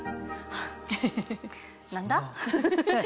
何だ？